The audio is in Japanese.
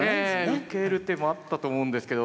受ける手もあったと思うんですけど。